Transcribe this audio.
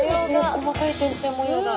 細かい点々模様が。